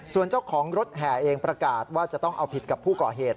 ส่วนเจ้าของรถแห่เองประกาศว่าจะต้องเอาผิดกับผู้ก่อเหตุ